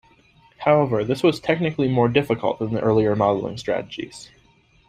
However, this was technically more difficult than earlier modelling strategies.